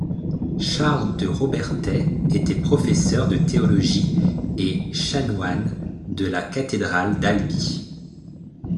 Charles de Robertet était professeur de théologie et chanoine de la cathédrale d'Albi.